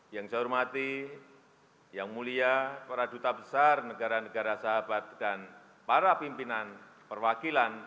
yang saya hormati yang mulia para duta besar negara negara sahabat dan para pimpinan perwakilan